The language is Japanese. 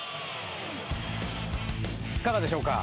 いかがでしょうか？